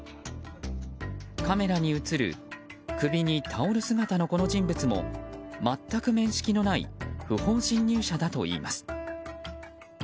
カメラに映る首にタオル姿のこの人物も全く面識のない不法侵入者だといいます。